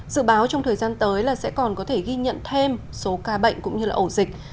dự báo trong thời gian tới là sẽ còn có thể ghi nhận thêm số ca bệnh cũng như là ổ dịch